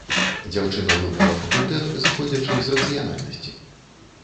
Дзяўчына выбрала факультэт, зыходзячы з рацыянальнасці.